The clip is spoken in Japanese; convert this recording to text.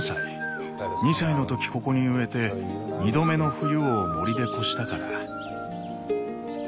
２歳の時ここに植えて２度目の冬を森で越したから。